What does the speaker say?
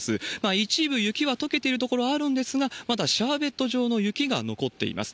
一部、雪はとけている所あるんですが、まだシャーベット状の雪が残っています。